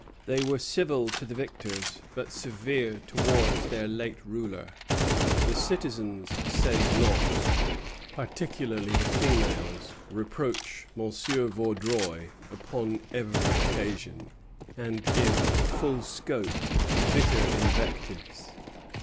They were civil to the victors, but severe towards their late ruler. "The citizens," says Knox, "particularly the females, reproach M. Vaudreuil upon every occasion, and give full scope to bitter invectives."